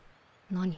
何？